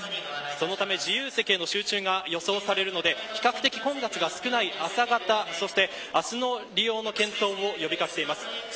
そのため自由席への集中が予想されるので比較的混雑が少ない朝方明日の利用の検討を呼び掛けています。